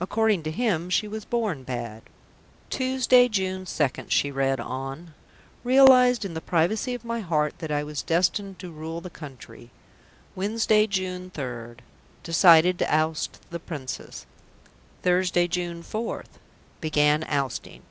According to him she was born bad. "Tuesday, June 2nd," she read on. "Realised in the privacy of my heart that I was destined to rule the country. Wednesday, June 3rd. Decided to oust the Princess. Thursday, June 4th. Began ousting."